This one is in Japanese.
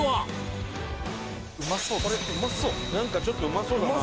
なんかちょっとうまそうだな。